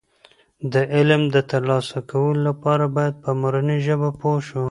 د علم د ترلاسه کولو لپاره باید په مورنۍ ژبه پوه شو.